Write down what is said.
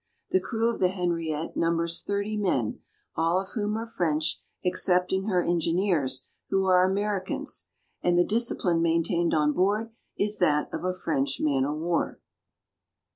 The crew of the Henriette numbers thirty men, all of whom are French, excepting her engineers, who are Americans, and the discipline maintained on board is that of a French man of war.